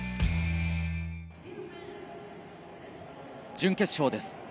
準決勝です。